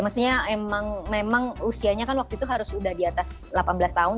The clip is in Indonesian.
maksudnya memang usianya kan waktu itu harus udah di atas delapan belas tahun